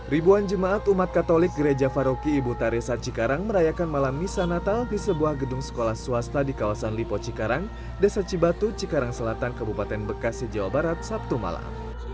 ribuan jemaat umat katolik gereja faroki ibu taresa cikarang merayakan malam misa natal di sebuah gedung sekolah swasta di kawasan lipo cikarang desa cibatu cikarang selatan kabupaten bekasi jawa barat sabtu malam